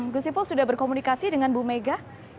gusipo sudah berkomunikasi dengan bu mega